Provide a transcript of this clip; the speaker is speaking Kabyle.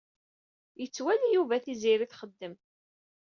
Yettwali Yuba Tiziri txeddem.